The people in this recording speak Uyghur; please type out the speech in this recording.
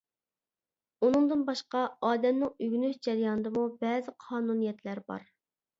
ئۇنىڭدىن باشقا، ئادەمنىڭ ئۆگىنىش جەريانىدىمۇ بەزى قانۇنىيەتلەر بار.